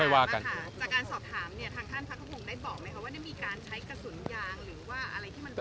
ว่าจะมีการใช้กระสุนยางหรือว่าอะไรที่มันไหน